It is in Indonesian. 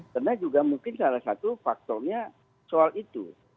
karena juga mungkin salah satu faktornya soal itu